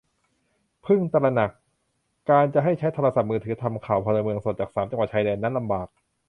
เพิ่งตระหนัก : การจะให้ใช้โทรศัพท์มือถือทำข่าวพลเมืองสดจากสามจังหวัดชายแดน นั้นลำบาก